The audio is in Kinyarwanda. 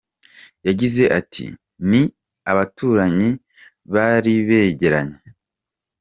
Yagize ati “Ni abaturanyi bari begeranye.